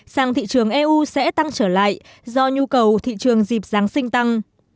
sang thị trường eu sẽ tăng trở lại do nhu cầu thị trường dịp giáng sinh tăng